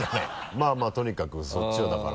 まぁまぁとにかくそっちはだから。